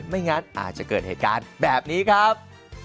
ไม่งั้นอาจจะเกิดเหตุการณ์แบบนี้ครับ